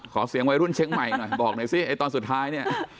เสียงวัยรุ่นเชียงใหม่หน่อยบอกหน่อยสิไอ้ตอนสุดท้ายเนี่ย